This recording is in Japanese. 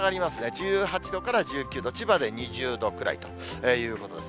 １８度から１９度、千葉で２０度くらいということです。